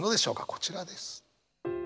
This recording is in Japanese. こちらです。